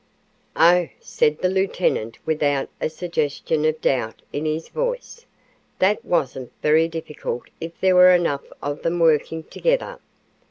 "Oh," said the lieutenant without a suggestion of doubt in his voice; "that wasn't very difficult if there were enough of them working together.